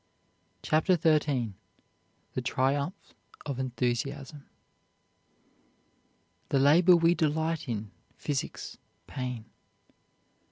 CHAPTER XIII THE TRIUMPHS OF ENTHUSIASM. The labor we delight in physics pain.